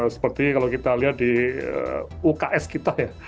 seperti kalau kita lihat di uks kita ya